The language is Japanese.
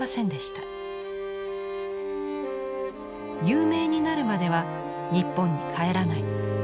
有名になるまでは日本に帰らない。